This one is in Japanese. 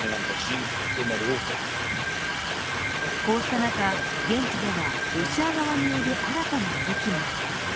こうした中、現地ではロシア側による新たな動きも。